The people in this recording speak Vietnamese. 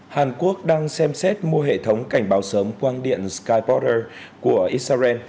hàn quốc đang xem xét mua hệ thống cảnh báo sớm quang điện skypoter của israel